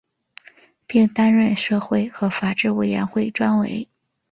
并担任社会和法制委员会专委。